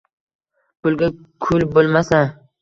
Pulga kul bo'lmasa